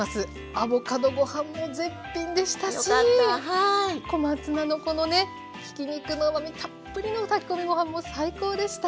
アボカドご飯も絶品でしたし小松菜のこのねひき肉のうまみたっぷりの炊き込みご飯も最高でした！